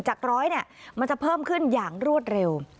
จากร้อยมันจะเพิ่มขึ้นอย่างรวดเร็ว